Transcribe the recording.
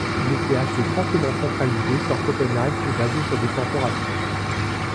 Il était assez fortement centralisé sur Copenhague et basé sur des corporations.